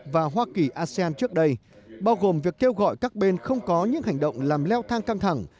và hoa kỳ asean trước đây bao gồm việc kêu gọi các bên không có những hành động làm leo thang căng thẳng